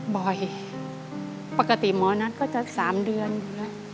บ่อยปกติหมอนัทก็จะ๓เดือนอยู่แล้ว